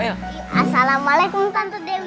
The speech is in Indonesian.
assalamualaikum tante dewi